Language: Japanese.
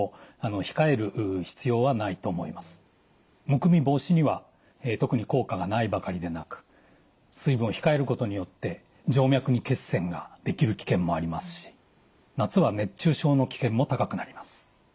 むくみ防止には特に効果がないばかりでなく水分を控えることによって静脈に血栓ができる危険もありますし夏は熱中症の危険も高くなります。